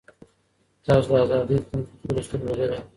تاسو د آزادۍ خوند په خپلو سترګو لیدلی دی.